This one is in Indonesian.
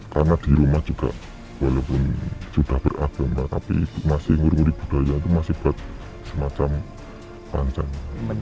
karena di rumah juga walaupun sudah beragama tapi masih ngurung ngurungi budaya itu masih buat semacam pandangan